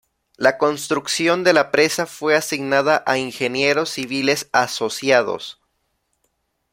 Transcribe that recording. La construcción de la presa fue asignada a Ingenieros Civiles Asociados.